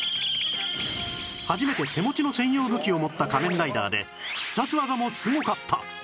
初めて手持ちの専用武器を持った仮面ライダーで必殺技もすごかった